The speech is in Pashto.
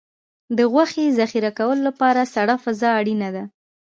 د غوښې ذخیره کولو لپاره سړه فضا اړینه ده.